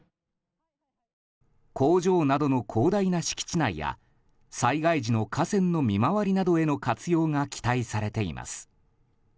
工場などの広大な敷地内や災害時の河川の見回りなどへの活用が期待されています。